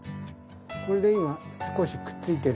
これで今少しくっついてる。